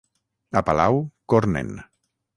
A Palau, cornen.